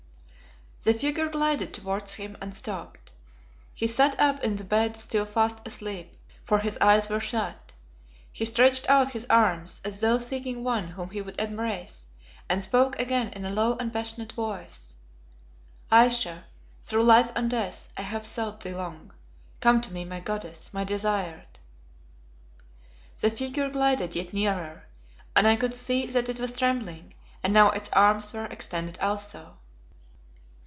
_" The figure glided towards him and stopped. He sat up in the bed still fast asleep, for his eyes were shut. He stretched out his arms, as though seeking one whom he would embrace, and spoke again in a low and passionate voice "Ayesha, through life and death I have sought thee long. Come to me, my goddess, my desired." The figure glided yet nearer, and I could see that it was trembling, and now its arms were extended also.